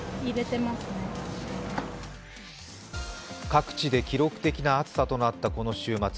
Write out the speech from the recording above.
各地で記録的な暑さとなったこの週末。